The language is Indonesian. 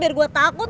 biar gue takut